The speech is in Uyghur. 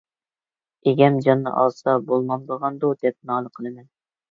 ئىگەم جاننى ئالسا بولمامدىغاندۇ دەپ نالە قىلىمەن.